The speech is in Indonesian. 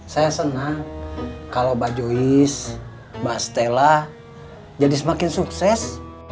saya senang kalau mbak joyis mbak stella jadi semakin sukses